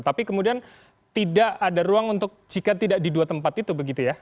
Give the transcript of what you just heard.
tapi kemudian tidak ada ruang untuk jika tidak di dua tempat itu begitu ya